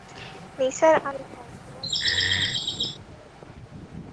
নিসার আলি তাঁর শোবার ঘরে খাতা খুলে বসেছেন।